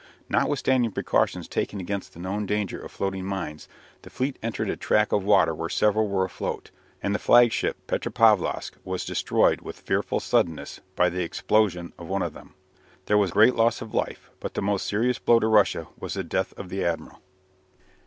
Notwithstanding precautions taken against the known danger of floating mines, the fleet entered a tract of water where several were afloat, and the flagship "Petropavlosk" was destroyed with fearful suddenness by the explosion of one of them. There was great loss of life, but the most serious blow to Russia was the death of the admiral.